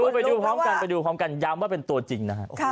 ไปดูพร้อมกันย้ำว่าเป็นตัวจริงนะครับ